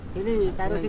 sini taruh sini